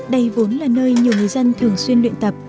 đây vốn là nơi nhiều người dân thường xuyên luyện tập